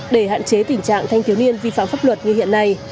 để hạn chế tình trạng thanh thiếu niên vi phạm pháp luật như hiện nay